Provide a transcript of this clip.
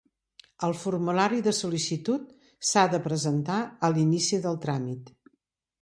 El formulari de sol·licitud s'ha de presentar a l'inici del tràmit.